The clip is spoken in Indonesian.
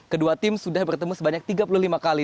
kedua tim sudah bertemu sebanyak tiga puluh lima kali